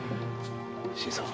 新さん。